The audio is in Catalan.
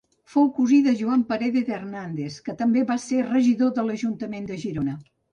Fou cosí de Joan Paredes Hernández, que també va ser regidor de l'ajuntament de Girona.